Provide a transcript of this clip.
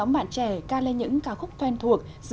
xin chào thu hương